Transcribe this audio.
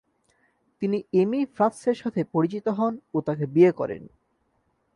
তিনি এমি ফ্রাৎসের সাথে পরিচিত হন ও তাকে বিয়ে করেন।